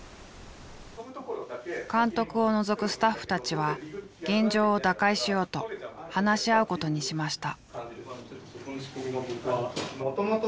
監督を除くスタッフたちは現状を打開しようと話し合うことにしました。